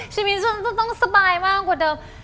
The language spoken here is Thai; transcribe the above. ชีวิตฉันจะต้องสบายมากกว่าเดิม